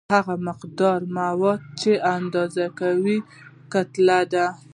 هغه مقدار مواد چې اندازه کوي کتله ده.